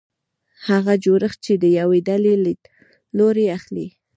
هغه جوړښت چې د یوې ډلې لیدلوری اخلي.